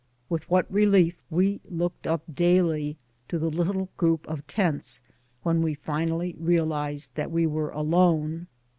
With what relief we looked up daily to the little group of tents, when we finally realized that we were alone.